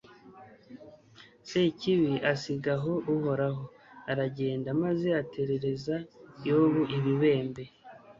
sekibi asiga aho uhoraho, aragenda, maze aterereza yobu ibibembe